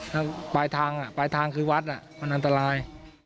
แล้วปลายทางปลายทางคือวัดมันอันตราย